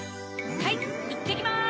はいいってきます！